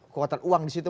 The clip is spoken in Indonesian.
kuatan uang di situ